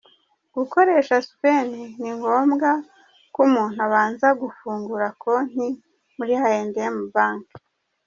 Gukoresha ‘Spenn’ si ngombwa ko umuntu abanza gufunguza konti muri I&M Bank.